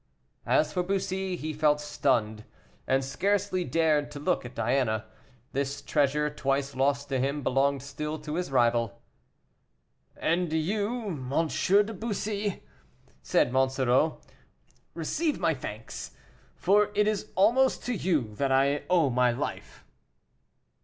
As for Bussy, he felt stunned, and scarcely dared to look at Diana. This treasure, twice lost to him, belonged still to his rival. "And you, M. de Bussy," said Monsoreau, "receive my thanks, for it is almost to you that I owe my life."